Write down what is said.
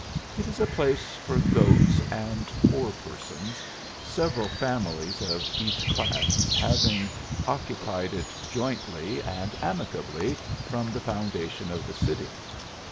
It is a place for goats and poor persons, several families of each class having occupied it jointly and amicably "from the foundation of the city."